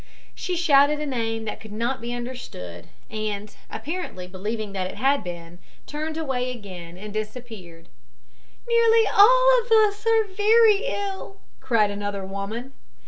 She shouted a name that could not be understood, and, apparently believing that it had been, turned away again and disappeared. "Nearly all of us are very ill," cried another woman.